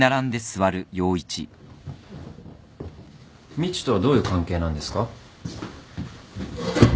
みちとはどういう関係なんですか？